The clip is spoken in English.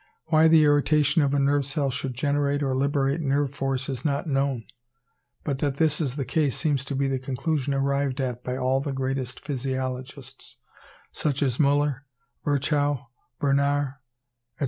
Why the irritation of a nerve cell should generate or liberate nerve force is not known; but that this is the case seems to be the conclusion arrived at by all the greatest physiologists, such as Müller, Virchow, Bernard, &c.